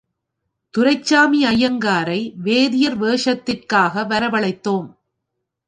துரைசாமி ஐயங்காரை, வேதியர் வேஷத்திற்காக வரவழைத்தோம்.